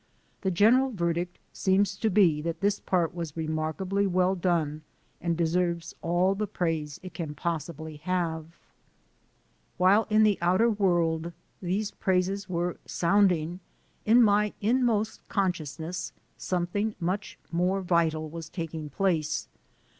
The general verdict seems to be that this part was remarkably well done and deserves all the praise it can possibly have." MY AMERICAN EDUCATION 171 While in the outer world these praises were sounu ing, in my inmost consciousness something much more vital was taking place.